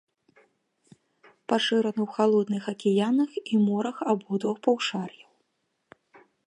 Пашыраны ў халодных акіянах і морах абодвух паўшар'яў.